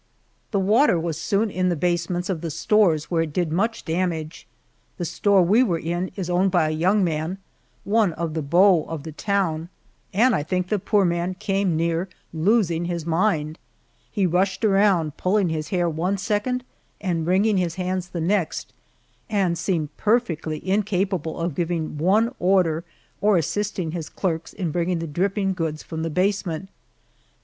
The water was soon in the basements of the stores, where it did much damage. The store we were in is owned by a young man one of the beaux of the town and I think the poor man came near losing his mind. He rushed around pulling his hair one second, and wringing his hands the next, and seemed perfectly incapable of giving one order, or assisting his clerks in bringing the dripping goods from the basement.